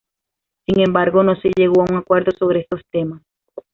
Sin embargo, no se llegó a un acuerdo sobre estos temas.